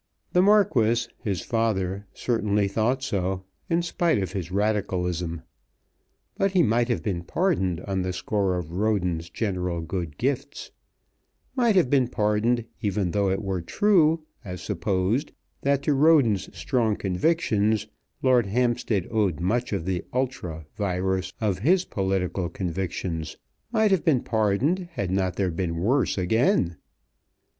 The Marquis, his father, certainly thought so in spite of his Radicalism. But he might have been pardoned on the score of Roden's general good gifts, might have been pardoned even though it were true, as supposed, that to Roden's strong convictions Lord Hampstead owed much of the ultra virus of his political convictions, might have been pardoned had not there been worse again.